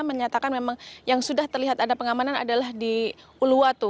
menyatakan memang yang sudah terlihat ada pengamanan adalah di uluwatu